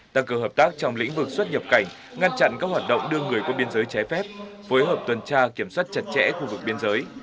tăng cường hợp tác trong lĩnh vực xuất nhập cảnh ngăn chặn các hoạt động đưa người qua biên giới trái phép phối hợp tuần tra kiểm soát chặt chẽ khu vực biên giới